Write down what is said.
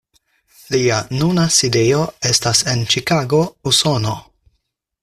Lia nuna sidejo estas en Ĉikago, Usono.